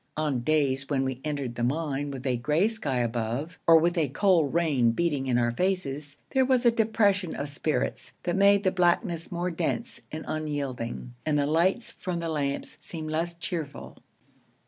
On days when we entered the mine with a gray sky above, or with a cold rain beating in our faces, there was a depression of spirits that made the blackness more dense and unyielding, and the lights from the lamps seemed less cheerful.